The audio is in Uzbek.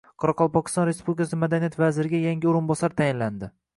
Qoraqalpog‘iston Respublikasi madaniyat vaziriga yangi o‘rinbosar tayinlandi